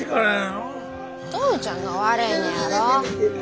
お父ちゃんが悪いねやろ。